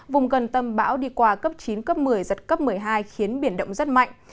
vùng gần tâm bão đi qua cấp chín cấp một mươi giật cấp một mươi hai khiến biển động rất mạnh